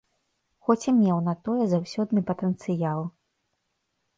Хоць і меў на тое заўсёдны патэнцыял.